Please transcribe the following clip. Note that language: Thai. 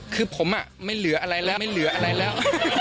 คือผมอ่ะไม่เหลืออะไรแล้ว